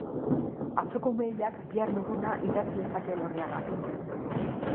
Atzoko ume hilak, bihar lurruna, idatz lezake Elorriagak.